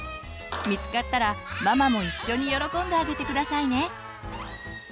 見つかったらママも一緒に喜んであげて下さいね。